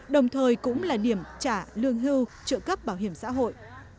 đồng thời cũng là điểm trả lương hưu trợ cấp bảo hiểm xã hội